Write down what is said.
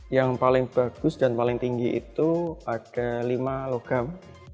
yang paling bagus dan paling tinggi itu ada lima logam